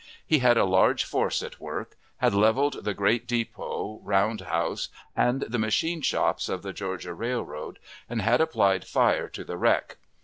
He had a large force at work, had leveled the great depot, round house, and the machine shops of the Georgia Railroad, and had applied fire to the wreck.